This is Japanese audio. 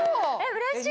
うれしい！